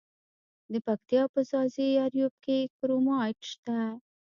د پکتیا په ځاځي اریوب کې کرومایټ شته.